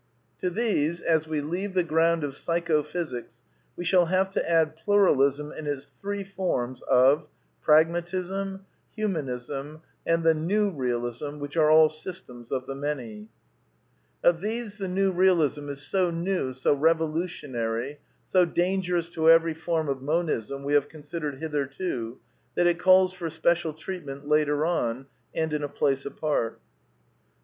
To these, as we leave the ground of Psychophysics, we shall have to add Pluralism in its three forms of : 1. Pragmatism, 2. Humanism, and the 3. New Kealism, which are all systems of the Many. Of these the New Bealism is so new, so revolutionary, so dangerous to every form of Monism we have consid ered hitherto, that it calls for special treatment later on and in a place apart.